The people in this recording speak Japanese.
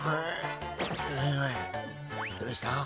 どうした？